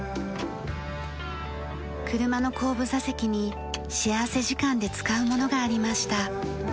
車の後部座席に幸福時間で使うものがありました。